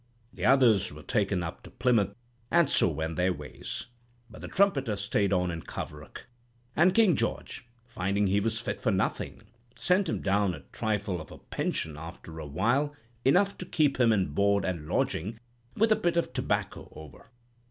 The others were taken up to Plymouth, and so went their ways; but the trumpeter stayed on in Coverack; and King George, finding he was fit for nothing, sent him down a trifle of a pension after a while enough to keep him in board and lodging, with a bit of tobacco over.